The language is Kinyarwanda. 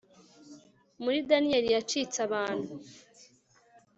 mur daniyeli yacitse abantu